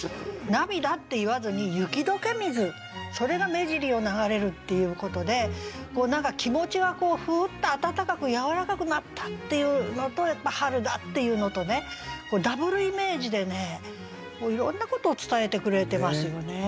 「涙」って言わずに「雪解け水」。それが目尻を流れるっていうことで気持ちはふっと温かくやわらかくなったっていうのとやっぱ春だっていうのとねダブルイメージでねいろんなことを伝えてくれてますよね。